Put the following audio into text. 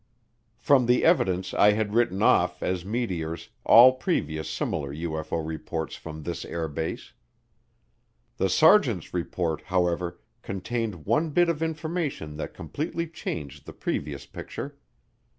From the evidence I had written off, as meteors, all previous similar UFO reports from this air base. The sergeants' report, however, contained one bit of information that completely changed the previous picture.